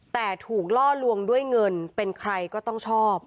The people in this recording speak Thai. แต่ถูกล่อลวงด้วยเงินเป็นใครก็ต้องชอบ